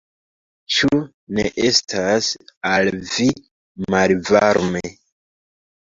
Ĉu ne estas al vi malvarme?